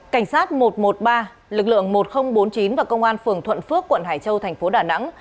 cảnh sát một trăm một mươi ba lực lượng một nghìn bốn mươi chín và công an phường thuận phước quận hải châu thành phố đà nẵng